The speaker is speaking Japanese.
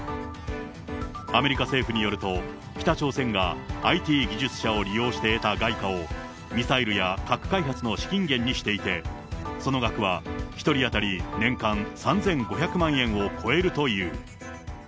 アメリカ政府によると、北朝鮮がＩＴ技術者を利用して得た外貨を、ミサイルや核開発の資金源にしていて、その額は１人当たり年間３５００万円を超えるという。